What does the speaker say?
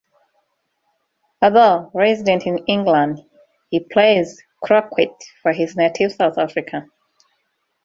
Although resident in England, he plays croquet for his native South Africa.